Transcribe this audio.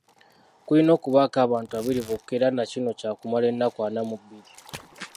Kulina okubako abantu abiri bokka era na kino kyakumala ennaku ana mu bbiri.